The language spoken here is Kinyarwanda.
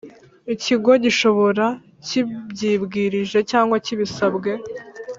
Ikigo gishobora kibyibwirije cyangwa kibisabwe